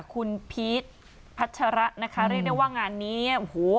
คุณพีชพัชระนะคะเรียกได้ว่างานนี้โอ้โห